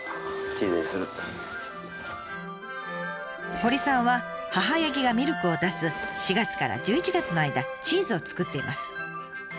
堀さんは母ヤギがミルクを出す４月から１１月の間チーズを作っています。